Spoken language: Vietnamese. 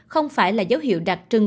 không phải là dấu hiệu đặc trưng